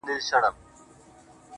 مثبت فکر امید پیدا کوي.